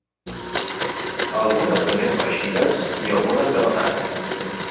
Algunes de més reeixides i algunes de no tant.